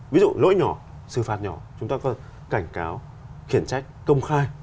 ví dụ lỗi nhỏ xử phạt nhỏ chúng ta phải cảnh cáo khiển trách công khai